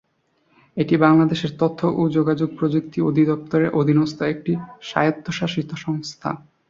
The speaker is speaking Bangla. এটি বাংলাদেশের তথ্য ও যোগাযোগ প্রযুক্তি অধিদপ্তরের অধীনস্থ একটি স্বায়ত্বশাসিত সংস্থা।